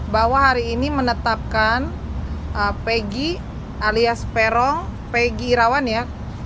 bahwa hari ini menetapkan peggy alias peron peggy irawan ya